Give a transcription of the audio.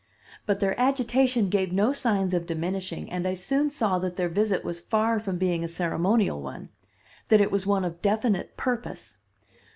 "But their agitation gave no signs of diminishing and I soon saw that their visit was far from being a ceremonial one; that it was one of definite purpose.